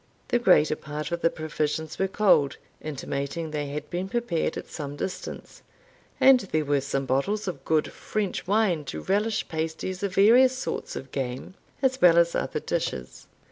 The greater part of the provisions were cold, intimating they had been prepared at some distance; and there were some bottles of good French wine to relish pasties of various sorts of game, as well as other dishes.